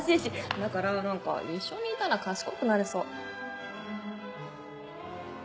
だから何か一緒にいたら賢くなれそう。